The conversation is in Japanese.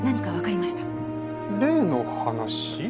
例の話？